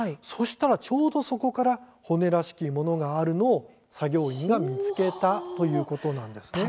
そうしたら、ちょうどそこから骨らしきものがあるのを作業員が見つけたということです。